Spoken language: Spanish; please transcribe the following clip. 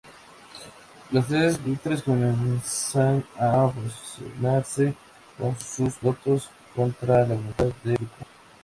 Los tres buitres comienzan a fusionarse con sus pilotos, contra la voluntad de Yuko.